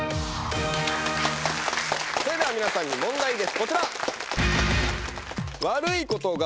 それでは皆さんに問題です。